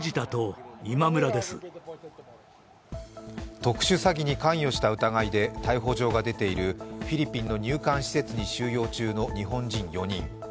特殊詐欺に関与した疑いで逮捕状が出ているフィリピンの入管施設に収容中の日本人４人。